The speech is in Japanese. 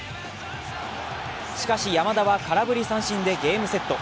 しかし、山田は空振り三振でゲームセット。